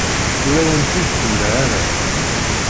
Ur awen-t-id-temla ara.